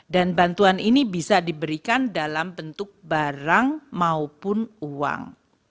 dan bantuan ini bisa diberikan dalam bentuk barang maupun uang